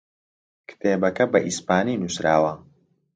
کتێبەکە بە ئیسپانی نووسراوە.